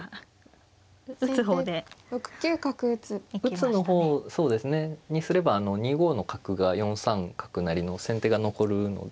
打つの方にすれば２五の角が４三角成の先手が残るので。